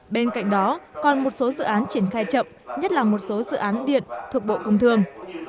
bên cạnh đó còn một số dự án triển khai chậm nhất là một số dự án điện thuộc bộ công thương